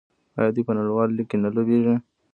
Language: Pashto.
آیا دوی په نړیوال لیګ کې نه لوبېږي؟